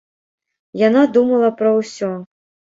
Яна думала пра ўсё.